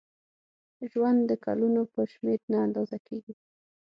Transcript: ژوند د کلونو په شمېر نه اندازه کېږي.